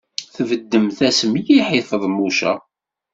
Tbeddemt-as mliḥ i Feḍmuca.